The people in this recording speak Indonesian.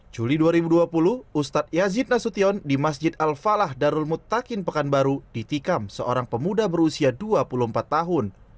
juli dua ribu dua puluh ustadz yazid nasution di masjid al falah darul mutakin pekanbaru ditikam seorang pemuda berusia dua puluh empat tahun